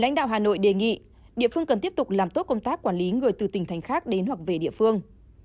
lãnh đạo hà nội đề nghị địa phương cần tiếp tục làm tốt công tác quản lý người từ tỉnh thành khác đến hoặc về địa phương